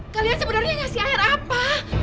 kalian sebenarnya ngasih air apa